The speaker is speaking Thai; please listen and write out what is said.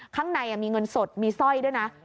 ข้างในมีเงินสดมีสร้อยด้วยนะ